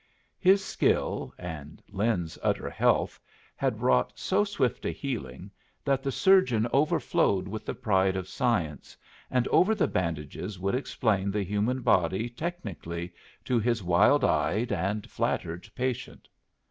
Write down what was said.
His skill (and Lin's utter health) had wrought so swift a healing that the surgeon overflowed with the pride of science, and over the bandages would explain the human body technically to his wild eyed and flattered patient.